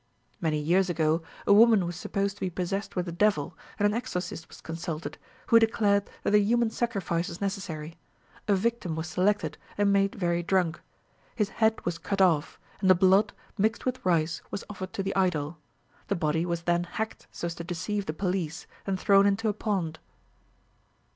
Many years ago, a woman was supposed to be possessed with a devil, and an exorcist was consulted, who declared that a human sacrifice was necessary. A victim was selected, and made very drunk. His head was cut off, and the blood, mixed with rice, was offered to the idol. The body was then hacked so as to deceive the police, and thrown into a pond.